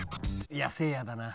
いやせいやだな。